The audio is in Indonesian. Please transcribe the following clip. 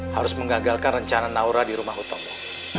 harus mengagalkan rencana naura di rumah hutomo